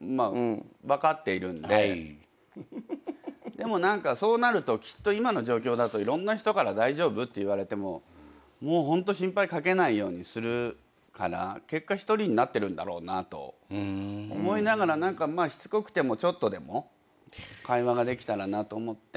でも何かそうなるときっと今の状況だといろんな人から「大丈夫？」って言われてももうホント心配かけないようにするから結果一人になってるんだろうなと思いながら何かまあしつこくてもちょっとでも会話ができたらなと思って。